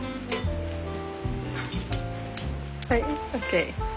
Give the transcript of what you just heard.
はいＯＫ。